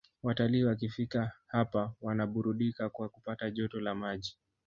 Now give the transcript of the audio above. Watalii wakifika hapa wanaburudika kwa kupata joto la maji